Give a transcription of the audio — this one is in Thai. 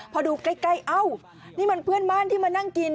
พอดูใกล้เอ้านี่มันเพื่อนบ้านที่มานั่งกิน